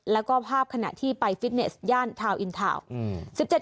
แล้วก็ภาพขณะที่ไปฟิตเนสย่านทาวน์อินทาวน์